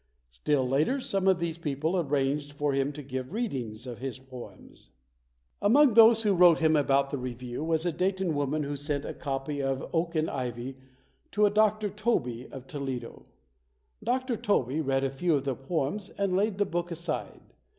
Still later, some of these people arranged for him to give readings of his poems. Among those who wrote him about the review was a Dayton woman who sent a copy of "Oak 50 ] UNSUNG HEROES and Ivy" to a Dr. Tobey of Toledo. Dr. Tobey read a few of the poems and laid the book aside.